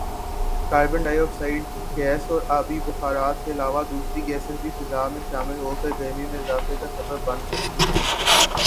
carbon dioxide gas اور آبی بخارات کے علاوہ ، دوسری گیسیں بھی فضا میں شامل ہوکر گرمی میں اضافے کا سبب بن سکتی ہیں